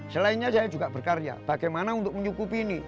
selainnya saya juga berkarya bagaimana untuk menyukupi ini